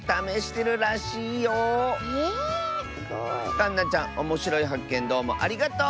かんなちゃんおもしろいはっけんどうもありがとう！